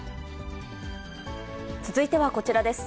続いてはこちらです。